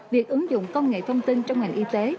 việc ứng dụng công nghệ thông tin trong ngành y tế